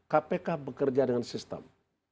kpk bekerja dengan sistem